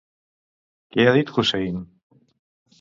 Què ha dit Hussein?